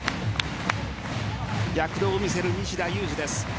躍動を見せる西田有志です。